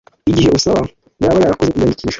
Igihe usaba yaba yarakoze iyandikisha